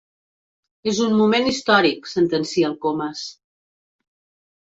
És un moment històric —sentencia el Comas—.